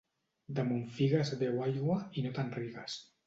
Damunt figues beu aigua i no te'n rigues.